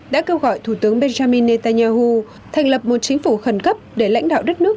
đã kêu gọi thủ tướng benjamin netanyahu thành lập một chính phủ khẩn cấp để lãnh đạo đất nước